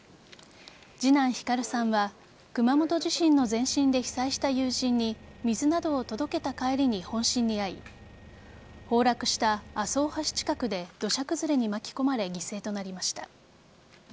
次男・晃さんは熊本地震の前震で被災した友人に水などを届けた帰りに本震に遭い崩落した阿蘇大橋近くで土砂崩れに巻き込まれ犠牲となりました。